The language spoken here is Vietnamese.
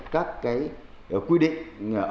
các cái quy định